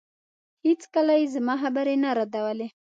هېڅکله يې زما خبرې نه ردولې.